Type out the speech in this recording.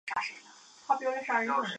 豆豆先生搭乘火车到达巴黎北站。